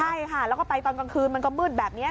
ใช่ค่ะแล้วก็ไปตอนกลางคืนมันก็มืดแบบนี้